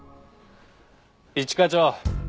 一課長。